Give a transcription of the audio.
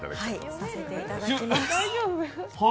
読ませていただきます。